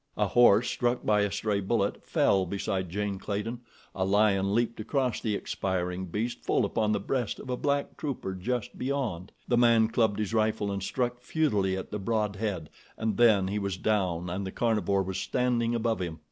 A horse, struck by a stray bullet, fell beside Jane Clayton, a lion leaped across the expiring beast full upon the breast of a black trooper just beyond. The man clubbed his rifle and struck futilely at the broad head, and then he was down and the carnivore was standing above him.